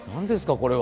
これは。